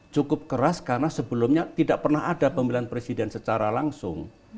cukup keras karena sebelumnya tidak pernah ada pemilihan presiden secara langsung